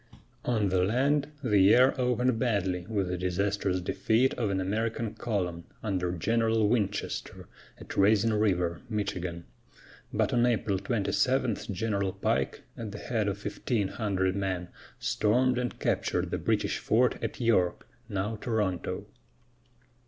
On the land, the year opened badly with the disastrous defeat of an American column, under General Winchester, at Raisin River, Michigan; but on April 27 General Pike, at the head of fifteen hundred men, stormed and captured the British fort at York, now Toronto.